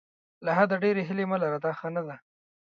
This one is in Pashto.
له حده ډېرې هیلې مه لره دا ښه نه ده.